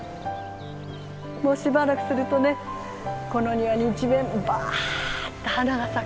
もうしばらくするとねこの庭に一面バッと花が咲くよ。